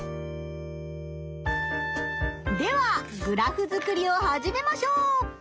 ではグラフ作りを始めましょう！